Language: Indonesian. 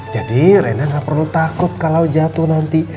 jadi rena gak perlu takut kalo jatuh nanti